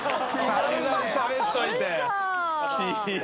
散々しゃべっておいて。